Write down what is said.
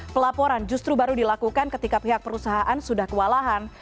pelaporan justru baru dilakukan ketika pihak perusahaan sudah kewalahan